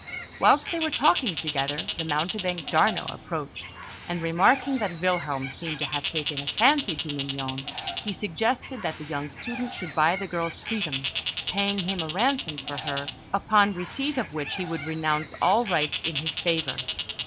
Whilst they were talking together, the mountebank, Giarno, approached, and remarking that Wilhelm seemed to have taken a fancy to Mignon, he suggested that the young student should buy the girl's freedom, paying him a ransom for her, upon receipt of which he would renounce all rights in his favour.